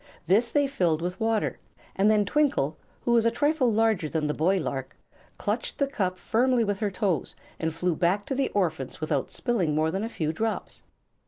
This they filled with water, and then Twinkle, who was a trifle larger than the boy lark, clutched the cup firmly with her toes and flew back to the orphans without spilling more than a few drops.